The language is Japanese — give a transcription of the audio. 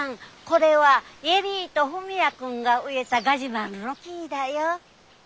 これは恵里と文也君が植えたガジュマルの樹だよ。